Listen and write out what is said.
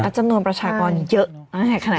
อัจจำนวนประชากรเยอะขนาดไหน